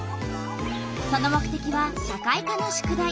その目てきは社会科の宿題。